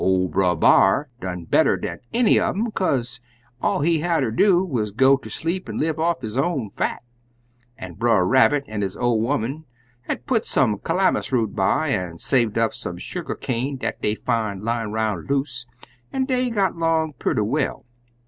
Ol' Brer B'ar done better dan any un um, kaze all he hatter do wuz go ter sleep an' live off'n his own fat; an' Brer Rabbit an' his ol' 'oman had put some calamus root by, an' saved up some sugar cane dat dey fin' lyin' 'roun' loose, an' dey got 'long purty well.